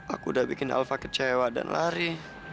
aku udah bikin alfa kecewa dan lari